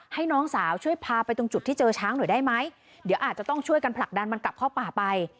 ให้น้องสาวช่วยพาไปตรงจุดที่เจอช้างหน่อยได้ไหมเดี๋ยวอาจจะต้องช่วยกันผลักดันมันกลับเข้าป่าไป